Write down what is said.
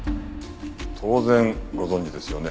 当然ご存じですよね？